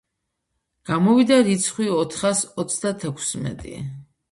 გამოვიდა რიცხვი ოთხას ოცდათექვსმეტი.